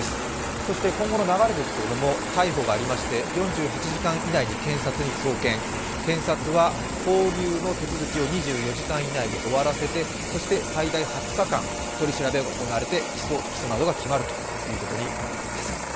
そして今後の流れですけれども、逮捕がありまして、４８時間以内に検察に送検検察は勾留の手続きを２４時間以内に終わらせて、最大２０日間取り調べが行われて、起訴、不起訴などが決まるということになってきます。